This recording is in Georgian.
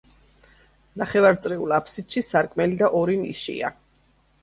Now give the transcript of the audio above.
ნახევარწრიულ აფსიდში სარკმელი და ორი ნიშია.